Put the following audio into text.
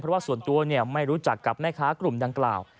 เพราะว่าส่วนตัวไม่รู้จักกับแม่ค้ากลุ่มดังกล่าว